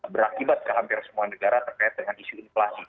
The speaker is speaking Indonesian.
berakibat ke hampir semua negara terkait dengan isu inflasi